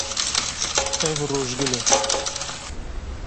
Ev rojgul e.